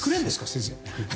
先生。